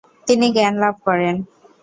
তিনি জ্ঞান লাভ করেন।